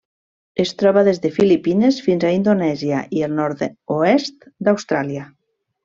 Es troba des de Filipines fins a Indonèsia i el nord-oest d'Austràlia.